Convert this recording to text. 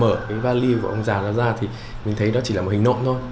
mở cái vali của ông già đó ra thì mình thấy đó chỉ là một hình nộm thôi